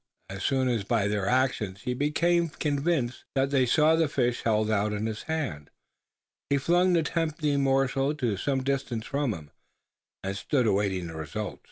As soon as by their actions he became convinced that they saw the fish held out in his hand, he flung the tempting morsel to some distance from him, and then stood awaiting the result.